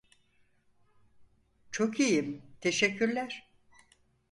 Çok iyiyim, teşekkürler.